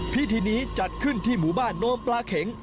พิธีนี้จัดขึ้นที่หมู่บ้านโนมปลาเข็ง